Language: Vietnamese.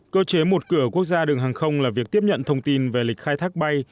cơ chế một cửa quốc gia đường hàng không là việc tiếp nhận thông tin về lịch khai thác bay